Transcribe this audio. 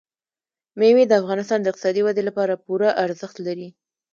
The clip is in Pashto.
مېوې د افغانستان د اقتصادي ودې لپاره پوره ارزښت لري.